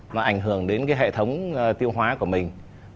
mà ảnh hưởng đến cái hệ thống tiêu hóa của mình